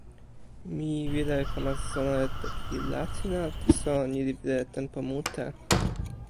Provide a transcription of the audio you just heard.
mi wile kama sona e toki Lasina, taso ni li wile e tenpo mute.